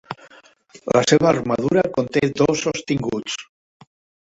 La seva armadura conté dos sostinguts.